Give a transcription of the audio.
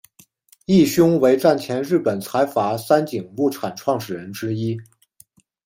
义兄为战前日本财阀三井物产创始人之一。